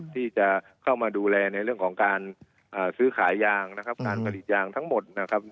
ที่จะเข้ามาดูแลในเรื่องของการซื้อขายยางผลิตยางทั้งหมด